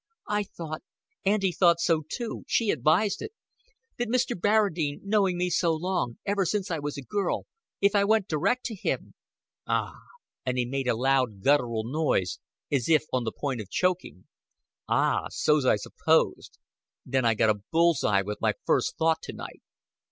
"I thought Auntie thought so too she advised it that Mr. Barradine knowing me so long, ever since I was a girl, if I went direct to him " "Ah!" And he made a loud guttural noise, as if on the point of choking. "Ah so's I supposed. Then I got a bull's eye with my first thought to night.